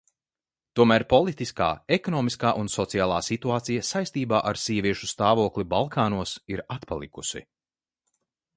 Tomēr politiskā, ekonomiskā un sociālā situācija saistībā ar sieviešu stāvokli Balkānos ir atpalikusi.